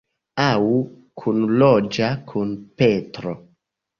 Aŭ kunloĝa kun Petro.